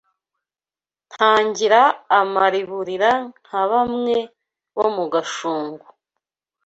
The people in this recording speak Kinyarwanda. Ntagira amariburira Nka bamwe bo mu gashungo